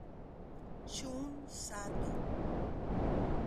Shun Sato